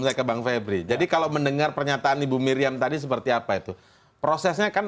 saya ke bang febri jadi kalau mendengar pernyataan ibu miriam tadi seperti apa itu prosesnya kan